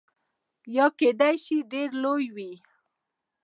یا کیدای شي ډیر لوی وي.